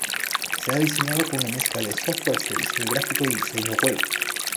Se ha diseñando con una mezcla de softwares de diseño gráfico y diseño web.